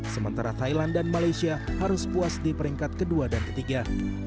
sementara thailand dan malaysia harus puas di peringkat kedua dan ketiga